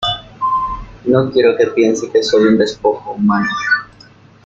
no quiero que piense que soy un despojo humano.